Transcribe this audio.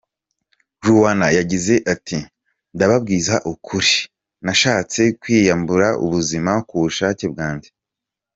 Loana yagize ati :« Ndababwiza ukuri nashatse kwiyambura ubuzima ku bushake bwanjye.